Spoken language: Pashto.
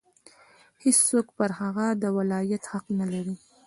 هېڅوک پر هغه د ولایت حق نه لري.